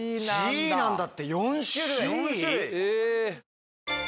Ｃなんだって４種類。